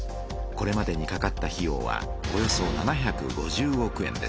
これまでにかかった費用は７５０億円！